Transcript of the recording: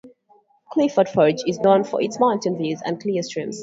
Clifton Forge is known for its mountain views and clear streams.